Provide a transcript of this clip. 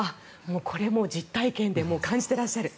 これも実体験で感じていらっしゃる。